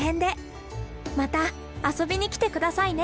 また遊びに来て下さいね。